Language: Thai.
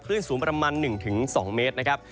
สูงประมาณ๑๒เมตรนะครับ